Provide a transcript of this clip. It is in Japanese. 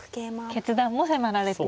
決断も迫られている。